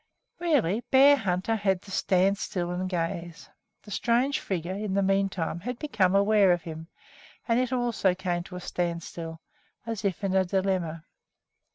Really, Bearhunter had to stand still and gaze. The strange figure, in the meantime, had become aware of him, and it also came to a standstill, as if in a dilemma.